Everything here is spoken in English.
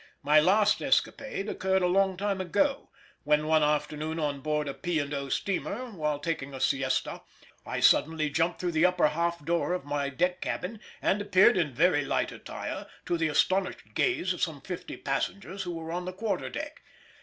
My last escapade occurred a long time ago, when one afternoon on board a P. & O. steamer, while taking a siesta, I suddenly jumped through the upper half door of my deck cabin and appeared in very light attire, to the astonished gaze of some fifty passengers who were on the quarter deck.